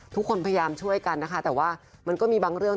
ทุกคนพยายามช่วยกันนะคะแต่ว่ามันก็มีบางเรื่อง